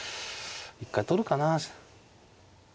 一回取るかな。